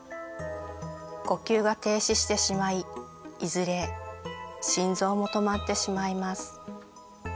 呼吸が停止してしまいいずれ心臓も止まってしまいます。